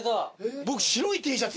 僕白いＴシャツ